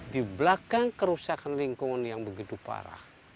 di belakang kerusakan lingkungan yang begitu parah